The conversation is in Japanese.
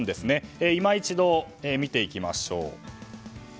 今一度、見ていきましょう。